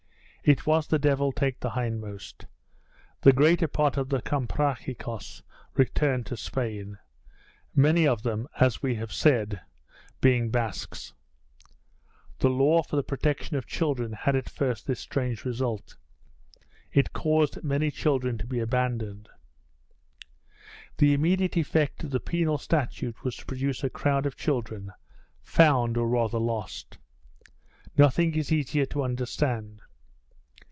It was the devil take the hindmost. The greater number of the Comprachicos returned to Spain many of them, as we have said, being Basques. The law for the protection of children had at first this strange result: it caused many children to be abandoned. The immediate effect of the penal statute was to produce a crowd of children, found or rather lost. Nothing is easier to understand.